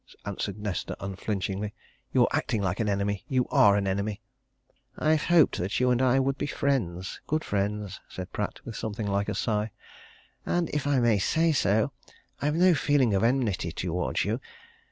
answered Nesta unflinchingly. "You're acting like an enemy you are an enemy!" "I've hoped that you and I would be friends good friends," said Pratt, with something like a sigh. "And if I may say so, I've no feeling of enmity towards you.